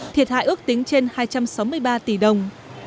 thiệt hại ước tính trên hai trăm sáu mươi ba tỷ đồng